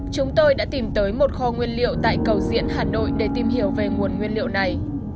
chúng tôi đã tìm tới một kho nguyên liệu tại cầu diễn hà nội để tìm hiểu về nguồn nguyên liệu này